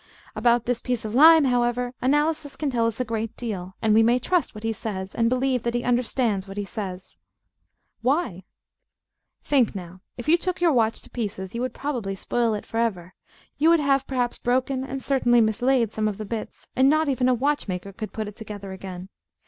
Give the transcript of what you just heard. About this piece of lime, however, Analysis can tell us a great deal. And we may trust what he says, and believe that he understands what he says. Why? Think now. If you took your watch to pieces, you would probably spoil it for ever; you would have perhaps broken, and certainly mislaid, some of the bits; and not even a watchmaker could put it together again.